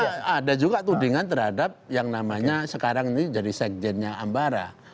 karena ada juga tudingan terhadap yang namanya sekarang ini jadi sekjennya ambarah